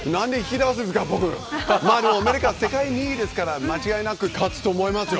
アメリカは世界２位ですから間違いなく勝つと思いますよ。